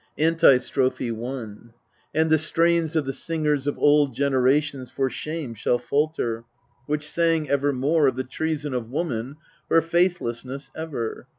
Antistrophe i And the strains of the singers of old generations for shame shall falter, Which sang evermore of the treason of woman, her faithlessness ever.